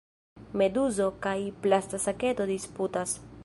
Meduzo kaj plasta saketo disputas.